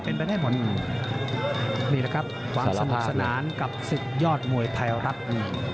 เป็นไปได้หมดนี่แหละครับความสนุกสนานกับศึกยอดมวยไทยรัฐ